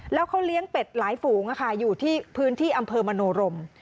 แล้วเขาเลี้ยงเป็ดหลายฝูงอยู่ที่พื้นที่อำเภอมโนรม